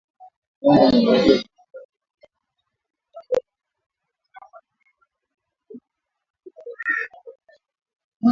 Uganda na Jamhuri ya Kidemokrasia zimeongeza muda wa shughuli za Operesheni Shujaa